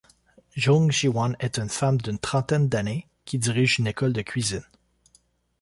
Jung Jiwon est une femme d'une trentaine d'années, qui dirige une école de cuisine.